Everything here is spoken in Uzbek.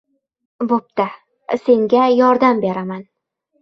– Boʻpti, senga yordam beraman.